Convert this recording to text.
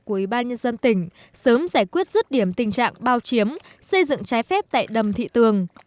của ủy ban nhân dân tỉnh sớm giải quyết rứt điểm tình trạng bao chiếm xây dựng trái phép tại đầm thị tường